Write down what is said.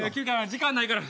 時間ないから。